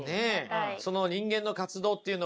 その「人間の活動」っていうのは？